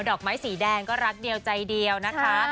อกไม้สีแดงก็รักเดียวใจเดียวนะคะ